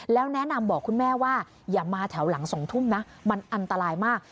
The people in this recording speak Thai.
แล้วแนะนำบอกคุณแม่ว่าอย่ามาแถวหลัง๒ทุ่มนะมันอันตรายมาก